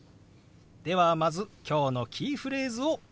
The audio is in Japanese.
ではまず今日のキーフレーズを見てみましょう。